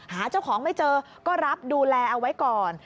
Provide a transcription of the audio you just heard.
หาเจ้าของไม่เจอก็รับดูแลเอาไว้ก่อน